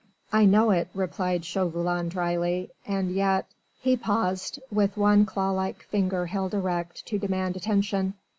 "I know it," replied Chauvelin drily, "and yet...." He paused, with one claw like finger held erect to demand attention.